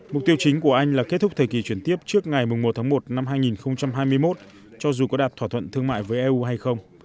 mục tiêu chính của anh là kết thúc thời kỳ chuyển tiếp trước ngày một tháng một năm hai nghìn hai mươi một cho dù có đạt thỏa thuận thương mại với eu hay không